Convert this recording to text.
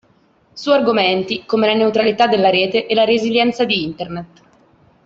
Su argomenti come la neutralità della rete e la resilienza di Internet.